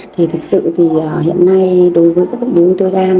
thì thực sự thì hiện nay đối với các bệnh lý uống thư gan